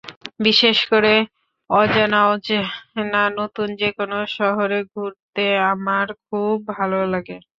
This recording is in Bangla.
বিশেষ করে অজানা-অচেনা নতুন যেকোনো শহরে ঘুরতে আমার খুব ভালো লাগে।